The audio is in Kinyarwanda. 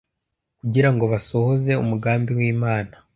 kugira ngo basohoze umugambi w’Imana.